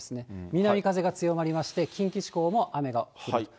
南風が強まりまして、近畿地方も雨が降る。